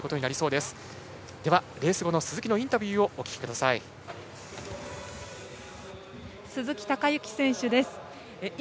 では、レース後の鈴木のインタビューをお聞きください。